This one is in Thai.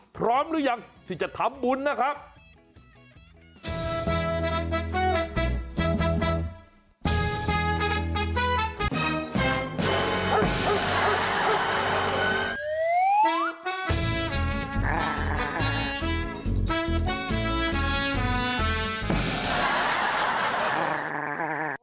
พร้อมหรือยังที่จะทำบุญนะครับ